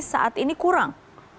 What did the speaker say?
saat ini kurang